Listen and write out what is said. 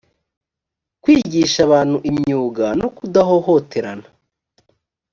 kwigisha abantu imyuga no kudahohoterana